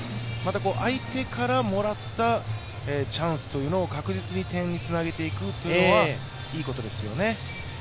相手からもらったチャンスというのを確実に点につなげていくというのはいいことですよね。